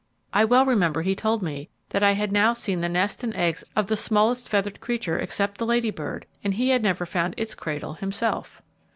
I well remember he told me that I now had seen the nest and eggs of the smallest feathered creature except the Lady Bird, and he never had found its cradle himself.